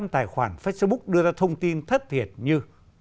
ba mươi năm tài khoản facebook đưa ra thông tin thất thiệt như